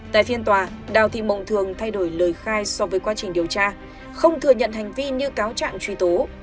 tại phiên tòa đào thị mộng thường thay đổi lời khai so với quá trình điều tra không thừa nhận hành vi như cáo trạng truy tố